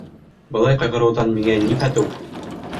— Былай ҡайғырыуҙан миңә ни фәтеүә?